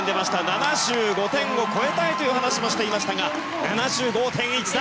７５点を超えたいという話もしていましたが７５．１３。